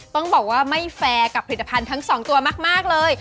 ต้องบอกว่าไม่แฟร์กับผลิตภัณฑ์ทั้งสองตัวมากเลย